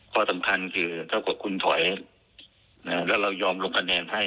ข้อสำคัญคือถ้ากว่าคุณคุณถอยแล้วยอมลงขนานให้